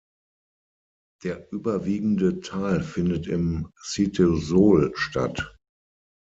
Der überwiegende Teil findet im Cytosol statt.